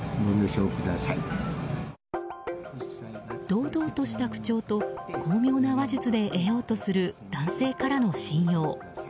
堂々とした口調と巧妙な話術で得ようとする男性からの信用。